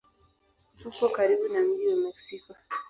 Upo karibu na mji wa Meksiko.